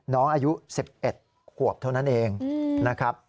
น้องอายุ๑๑ขวบเท่านั้นเองนะครับ